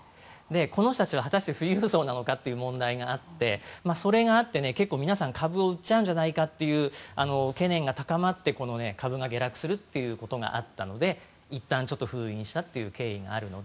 この人たちは果たして富裕層なのかっていう問題があってそれがあって結構皆さん株を売っちゃうんじゃないかという懸念が高まって株が下落するということがあったのでいったんちょっと封印したという経緯があるので。